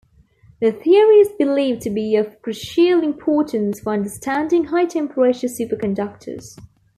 The theory is believed to be of crucial importance for understanding high temperature superconductors.